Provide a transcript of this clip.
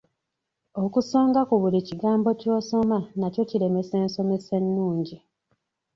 Okusonga ku buli kigambo ky'osoma nakyo kiremesa ensoma ennungi.